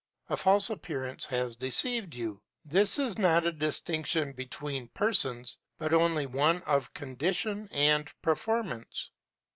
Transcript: A false appearance has deceived you. This is not a distinction between persons, but only one of condition and performance.